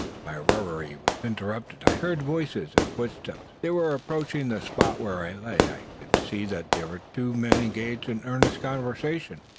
My reverie was interrupted. I heard voices and footsteps; they were approaching the spot where I lay. I could see that there were two men engaged in an earnest conversation.